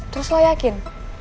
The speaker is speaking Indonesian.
terus lo yakin